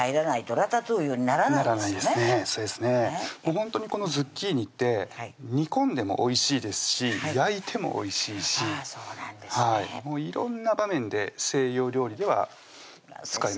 ほんとにこのズッキーニって煮込んでもおいしいですし焼いてもおいしいし色んな場面で西洋料理では使いますね